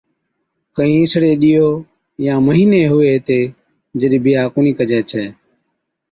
ڪهِين اِسڙي ڏِيئو يان مھيني ھُوي ھِتي جِڏَ بِيھا ڪونهِي ڪَجي ڇَي